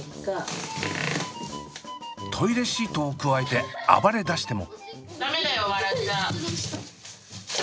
トイレシートをくわえて暴れだしても。